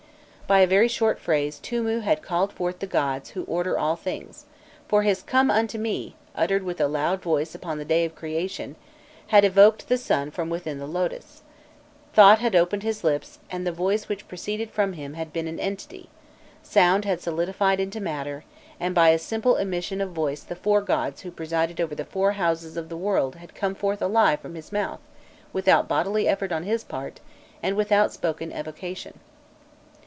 By a very short phrase Tûmû had called forth the gods who order all things; for his "Come unto me!" uttered with a loud voice upon the day of creation, had evoked the sun from within the lotus. Thot had opened his lips, and the voice which proceeded from him had become an entity; sound had solidified into matter, and by a simple emission of voice the four gods who preside over the four houses of the world had come forth alive from his mouth without bodily effort on his part, and without spoken evocation.